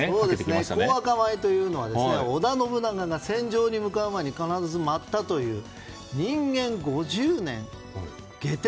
幸若舞というのは織田信長が戦場に向かう前に舞ったという「人間五十年化